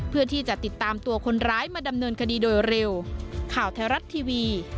เพื่อที่จะติดตามตัวคนร้ายมาดำเนินคดีโดยเร็ว